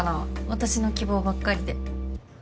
私の希望ばっかりで。